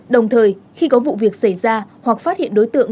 đồng thời khi có vụ việc xảy ra hoặc phát hiện đối tượng